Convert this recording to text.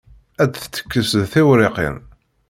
Ad d-tettekkes d tiwriqin.